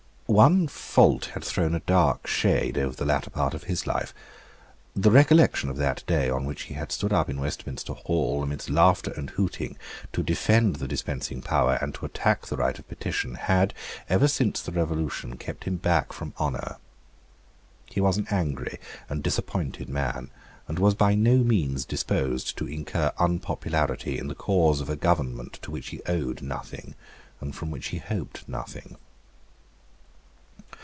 One fault had thrown a dark shade over the latter part of his life. The recollection of that day on which he had stood up in Westminster Hall, amidst laughter and hooting, to defend the dispensing power and to attack the right of petition, had, ever since the Revolution, kept him back from honour. He was an angry and disappointed man, and was by no means disposed to incur unpopularity in the cause of a government to which he owed nothing, and from which he hoped nothing.